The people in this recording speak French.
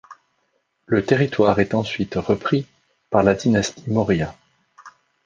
Le territoire est ensuite repris par la dynastie Maurya.